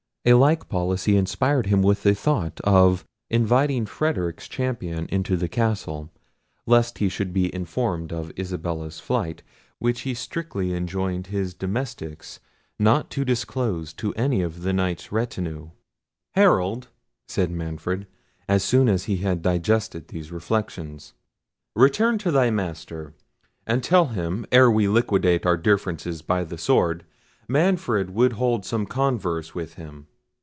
A like policy inspired him with the thought of inviting Frederic's champion into the castle, lest he should be informed of Isabella's flight, which he strictly enjoined his domestics not to disclose to any of the Knight's retinue. "Herald," said Manfred, as soon as he had digested these reflections, "return to thy master, and tell him, ere we liquidate our differences by the sword, Manfred would hold some converse with him.